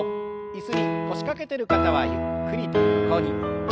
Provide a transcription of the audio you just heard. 椅子に腰掛けてる方はゆっくりと横に。